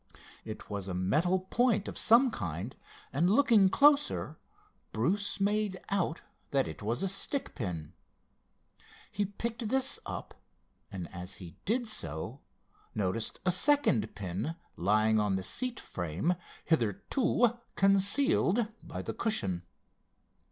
It was a metal point of some kind, and looking closer Bruce made out that it was a stick pin. He picked this up, and as he did so noticed a second pin lying on the seat frame, hitherto concealed by the cushion.